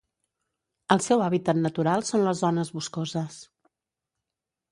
El seu hàbitat natural són les zones boscoses.